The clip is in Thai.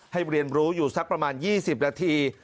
เรียนรู้อยู่สักประมาณ๒๐นาที